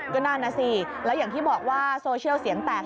ก็นั่นน่ะสิแล้วอย่างที่บอกว่าโซเชียลเสียงแตก